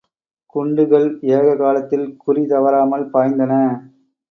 குண்டுகள் ஏக காலத்தில் குறிதவறாமல் பாய்ந்தன.